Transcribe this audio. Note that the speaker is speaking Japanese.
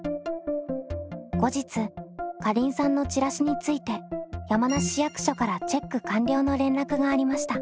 後日かりんさんのチラシについて山梨市役所からチェック完了の連絡がありました。